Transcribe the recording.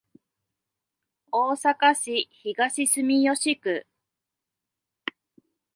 大阪市東住吉区